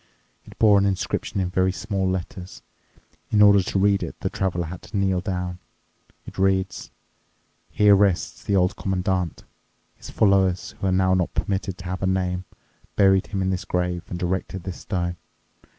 It bore an inscription in very small letters. In order to read it the Traveler had to kneel down. It read, "Here rests the Old Commandant. His followers, who are now not permitted to have a name, buried him in this grave and erected this stone.